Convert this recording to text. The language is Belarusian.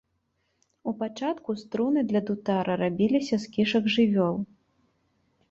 У пачатку струны для дутара рабіліся з кішак жывёл.